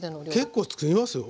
結構つくりますよ。